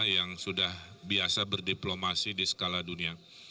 yang sudah biasa berdiplomasi di skala dunia